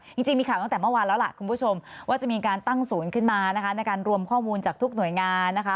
จริงมีข่าวตั้งแต่เมื่อวานแล้วล่ะคุณผู้ชมว่าจะมีการตั้งศูนย์ขึ้นมานะคะในการรวมข้อมูลจากทุกหน่วยงานนะคะ